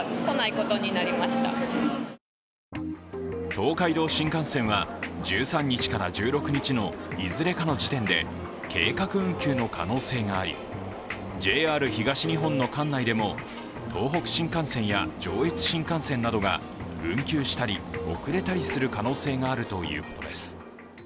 東海道新幹線は１３日から１６日のいずれかの時点で計画運休の可能性がありＪＲ東日本の管内でも東北新幹線や上越新幹線などが運休したり遅れたりする可能性があるということです。